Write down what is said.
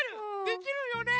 できるよね。